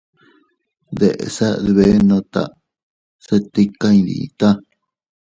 Deʼse dbedbenota se tika iydita.